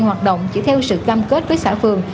hoạt động chỉ theo sự cam kết với xã phường